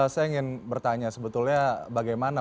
saya ingin bertanya sebetulnya bagaimana